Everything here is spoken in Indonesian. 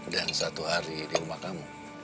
dan satu hari di rumah kamu